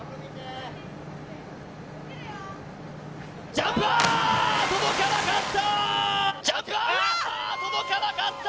ジャンプあ届かなかった！